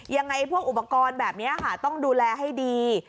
ยังไงพวกอุปกรณ์แบบนี้ค่ะต้องดูแลให้ดี